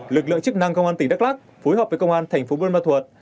lực lượng chức năng công an tỉnh đắk lắc phối hợp với công an thành phố mò thuật